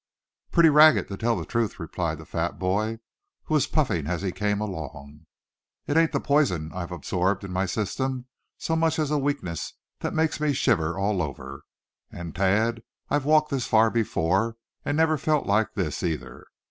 "Pretty ragged, to tell the truth," replied the fat boy, who was puffing as he came along. "It ain't the poison I've absorbed in my system, so much as a weakness that just makes me shiver all over. And Thad, I've walked this far before, and never felt like this, either."